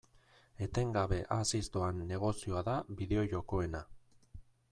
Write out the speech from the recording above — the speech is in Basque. Etengabe haziz doan negozioa da bideo-jokoena.